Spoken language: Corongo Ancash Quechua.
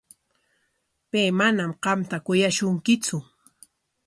Pay manam qamta kuyashunkitsu.